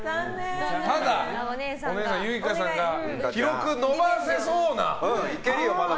まだお姉さんのユイカさんが記録伸ばせそうな。